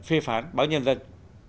phê phán báo nhân dân